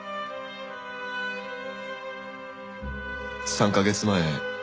３カ月前